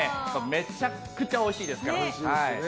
めちゃくちゃおいしいですから。